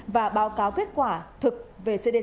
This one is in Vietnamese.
và báo cáo kết quả thực về cdc sở y tế